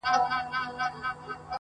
بيا به تاوکي چنګ برېتونه -